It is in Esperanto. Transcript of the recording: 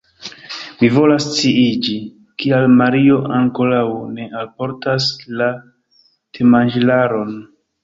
Mi volas sciiĝi, kial Mario ankoraŭ ne alportas la temanĝilaron.